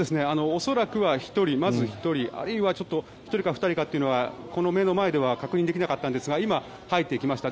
恐らくは、まず１人あるいはちょっと１人か２人かというのはこの目の前では確認できなかったんですが今、入っていきました。